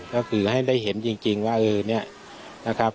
ก็คือให้ได้เห็นจริงว่าเออเนี่ยนะครับ